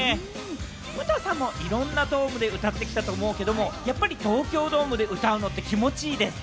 武藤さんもいろんなドームで歌ってきたと思うけれども、やっぱり東京ドームで歌うのって気持ちいいですか？